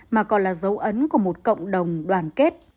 mà còn là dấu ấn của một cộng đồng đoàn kết